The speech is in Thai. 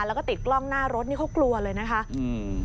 แล้วก็ติดกล้องหน้ารถนี่เขากลัวเลยนะคะอืม